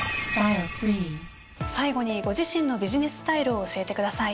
最後にご自身のビジネススタイルを教えてください。